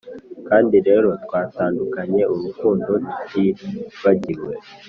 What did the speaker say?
kandi rero twatandukanye, urukundo, tutibagiwe